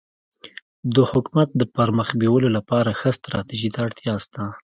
د حکومت د پرمخ بیولو لپاره ښه ستراتيژي ته اړتیا سته.